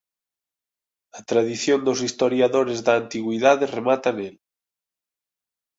A tradición dos historiadores da Antigüidade remata nel.